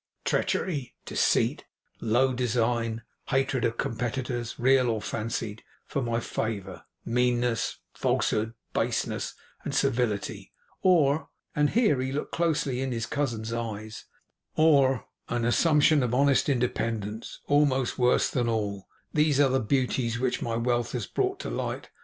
Treachery, deceit, and low design; hatred of competitors, real or fancied, for my favour; meanness, falsehood, baseness, and servility; or,' and here he looked closely in his cousin's eyes, 'or an assumption of honest independence, almost worse than all; these are the beauties which my wealth has brought to light.